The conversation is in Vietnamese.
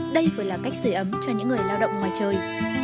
đây vừa là cách sửa ấm cho những người lao động ngoài trời